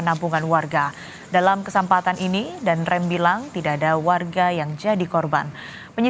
di sungai mestahir pun jadi lebih agak sangat memuk inference